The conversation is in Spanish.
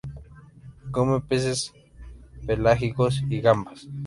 Come peces s pelágicos y gambas.